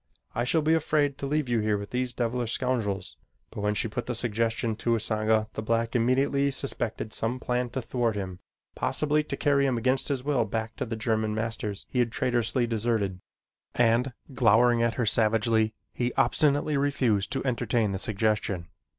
I shall be afraid to leave you here with these devilish scoundrels." But when she put the suggestion to Usanga the black immediately suspected some plan to thwart him possibly to carry him against his will back to the German masters he had traitorously deserted, and glowering at her savagely, he obstinately refused to entertain the suggestion.